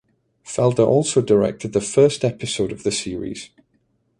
Felder also directed the first episode of the series.